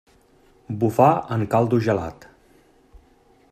Bufar en caldo gelat.